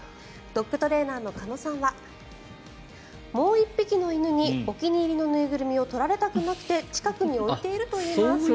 ドッグトレーナーの鹿野さんはもう１匹の犬にお気に入りの縫いぐるみを取られたくなくて近くに置いているといいます。